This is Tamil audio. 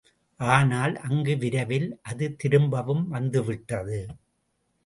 ஆனால், அங்கு விரைவில் அது திரும்பவும் வந்துவிட்டது.